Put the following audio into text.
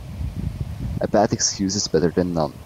A bad excuse is better then none.